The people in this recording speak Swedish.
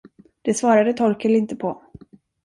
Det svarade Torkel inte på.